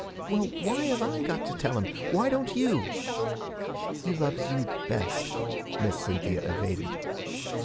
'Well, why have I got to tell him? Why don't you?' 'He loves you best,' Miss Cynthia evaded.